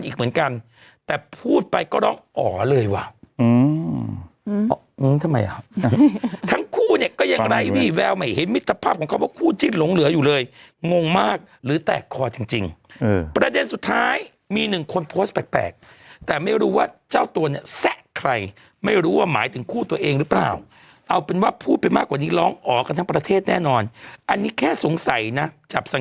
คู่เนี้ยก็ยังไหลวี่แววใหม่เห็นมิตรภาพของเขาว่าคู่จิ้นหลงเหลืออยู่เลยงงมากหรือแตกคอจริงจริงเออประเทศสุดท้ายมีหนึ่งคนโพสต์แปลกแปลกแต่ไม่รู้ว่าเจ้าตัวเนี้ยแสะใครไม่รู้ว่าหมายถึงคู่ตัวเองหรือเปล่าเอาเป็นว่าพูดไปมากกว่านี้ร้องออกกันทั้งประเทศแน่นอนอันนี้แค่สงสัยนะจับสั